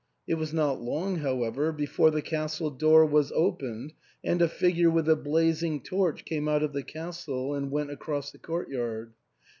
It was not long, however, before the castle door was opened, and a figure with a blazing torch came out of the castle and went across the court yard.